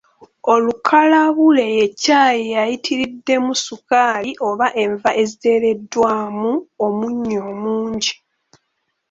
Olukalabule ye caayi ayitiriddemu sukaali oba enva eziteereddwamu omunnyu omungi.